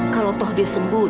kalau toh dia sembuh